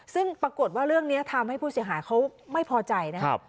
ซึ่งปรากฏว่าเรื่องนี้ทำให้ผู้เสียหายเขาไม่พอใจนะครับ